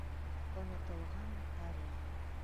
Онотолған тарих.